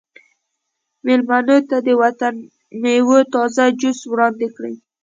میلمنو ته د وطني میوو تازه جوس وړاندې کړئ